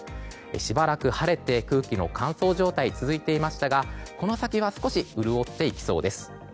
しばらく晴れて空気の乾燥状態が続いていましたがこの先は少し潤っていきそうです。